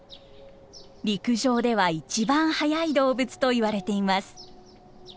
陸上では一番速い動物といわれています。